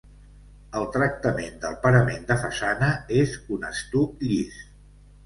El tractament del parament de façana és un estuc llis.